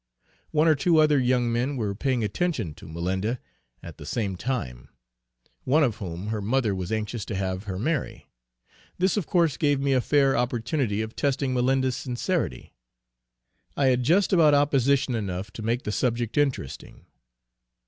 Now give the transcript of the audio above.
One or two other young men were paying attention to Malinda, at the same time; one of whom her mother was anxious to have her marry. This of course gave me a fair opportunity of testing Malinda's sincerity. I had just about opposition enough to make the subject interesting.